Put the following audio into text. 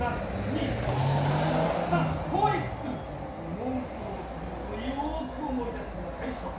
モンストロの首元をよく思い出してください諸君。